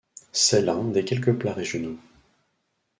C'est l'un des quelques plats régionaux.